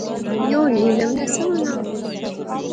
یو نیلم نہسا ہونا